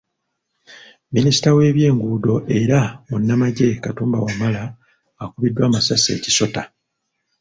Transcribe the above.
Minisita w’ebyenguudo era munnamagye Katumba Wamala akubiddwa amasasi e Kisota .